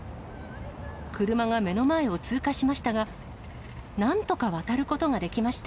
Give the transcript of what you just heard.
車が目の前を通過しましたが、なんとか渡ることができました。